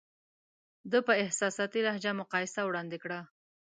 ده په احساساتي لهجه مقایسه وړاندې کړه.